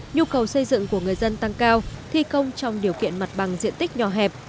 nhu cầu xây dựng của người dân tăng cao thi công trong điều kiện mặt bằng diện tích nhỏ hẹp